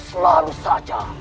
kamu selalu saja